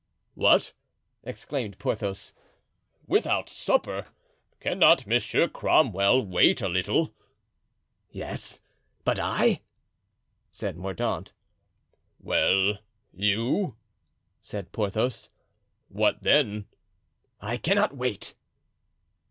"What!" exclaimed Porthos "without supper? Cannot Monsieur Cromwell wait a little?" "Yes, but I?" said Mordaunt. "Well, you," said Porthos, "what then?" "I cannot wait."